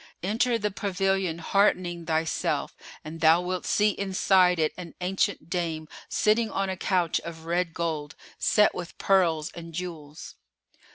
Enter the pavilion heartening thyself and thou wilt see inside it an ancient dame sitting on a couch of red gold set with pearls and jewels.